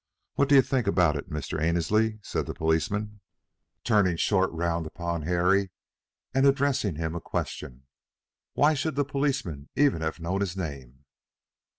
What do you think about it, Mr. Annesley?" said the policeman, turning short round upon Harry, and addressing him a question. Why should the policeman even have known his name?